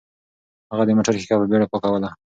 هغه د موټر ښیښه په بیړه پاکوله.